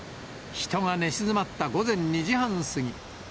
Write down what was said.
人が寝静まった午前２時半過ぎ。